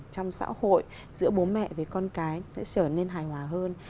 trong xã hội giữa bố mẹ với con cái sẽ trở nên hài hòa hơn